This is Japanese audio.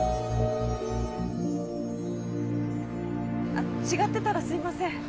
あ違ってたらすいません。